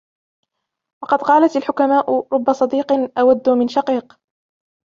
وَقَدْ قَالَتْ الْحُكَمَاءُ رُبَّ صِدِّيقٍ أَوَدُّ مِنْ شَقِيقٍ